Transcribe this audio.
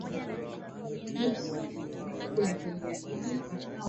ambapo waliwafiatulia risasi polisi hao katika maeneo